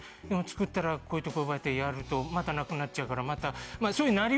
でも作ったらこういうとこでやるとまたなくなっちゃうからまた。